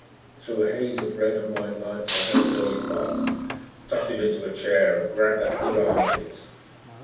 Through a haze of red and white lights I heard a voice bark, "Toss him into a chair and grab that good arm of his."